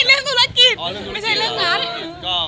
เออเรื่องธุรกิจไม่ใช่เรื่องการ์ด